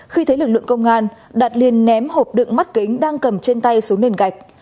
khi thấy lực lượng công an đạt liền ném hộp đựng mắt kính đang cầm trên tay xuống nền gạch